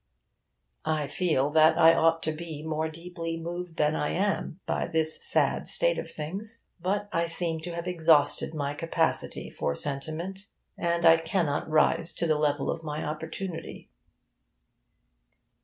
I feel that I ought to be more deeply moved than I am by this sad state of things. But I seem to have exhausted my capacity for sentiment; and I cannot rise to the level of my opportunity.